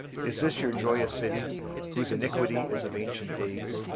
23:023:007 Is this your joyous city, whose antiquity is of ancient days?